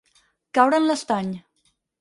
Caure en l'estany.